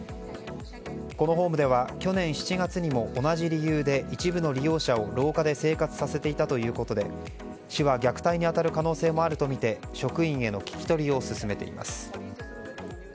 このホームでは去年７月にも同じ理由で一部の利用者を廊下で生活させていたということで市は、虐待に当たる可能性もあるとみて職員への聞き取りを進めています。